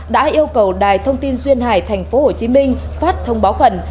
đã yêu cầu đài thông tin duyên hải tp hcm phát thông báo khẩn